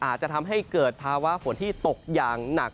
อาจจะทำให้เกิดภาวะฝนที่ตกอย่างหนัก